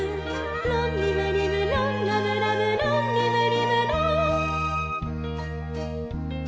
「ロンリムリムロンラムラムロンリムリムロン」